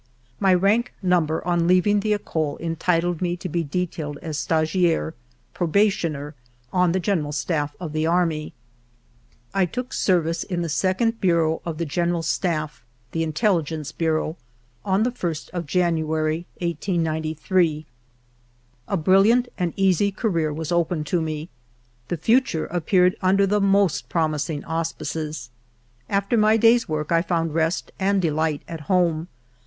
My rank number on leaving the Ecole entitled me to be detailed as stagiaire (pro bationer) on the General Staff of the army. I ALFRED DREYFUS 3 took service in the Second Bureau of the General Staff (The Intelligence Bureau) on the ist of January, 1893. A brilliant and easy career was open to me ; the future appeared under the most promising auspices. After my day's work I found rest and delight at home.